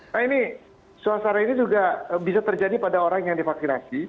nah ini suasana ini juga bisa terjadi pada orang yang divaksinasi